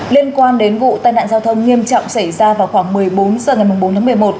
liên quan đến vụ tai nạn giao thông nghiêm trọng xảy ra vào khoảng một mươi bốn h ngày bốn tháng một mươi một